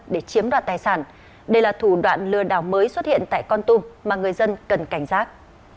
để chiếm đoạt tài sản đây là thủ đoạn lừa đảo mới xuất hiện tại con tum mà người dân cần cảnh giác